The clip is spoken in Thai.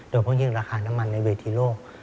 โดยเพราะยิ่งราคาน้ำมันในเวทีโลก